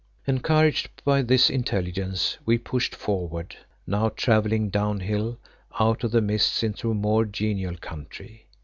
Encouraged by this intelligence we pushed forward, now travelling down hill out of the mists into a more genial country.